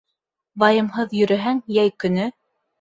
Вайымһыҙ йөрөһәң йәй көнө